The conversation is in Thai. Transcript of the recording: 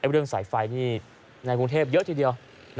เรื่องสายไฟนี่ในกรุงเทพเยอะทีเดียว